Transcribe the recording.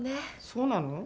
そうなの？